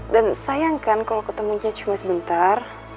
dan sayang kan kalau ketemunya cuma sebentar